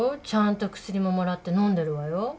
ちゃんと薬ももらってのんでるわよ。